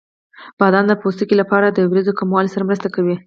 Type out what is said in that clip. بادام د پوستکي لپاره د وریځو کموالي سره مرسته کوي.